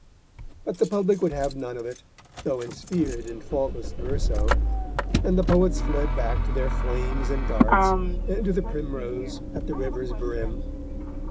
But the public would have none of it, though ensphered in faultless verso, and the poets fled back to their flames and darts, and to the primrose at the river's brim.